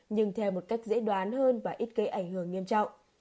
nhưng theo một cách dễ đoán hơn và ít gây ảnh hưởng nghiêm trọng